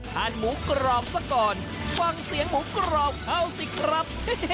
หมูกรอบซะก่อนฟังเสียงหมูกรอบเขาสิครับ